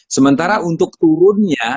sementara untuk turunnya